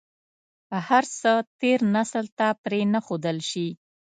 هر څه تېر نسل ته پرې نه ښودل شي.